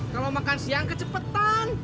kalau makan siang kecepetan